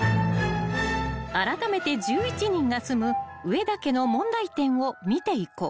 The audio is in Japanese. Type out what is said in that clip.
［あらためて１１人が住む上田家の問題点を見ていこう］